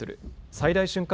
最大瞬間